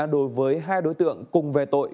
đối với hai đối tượng cùng về tội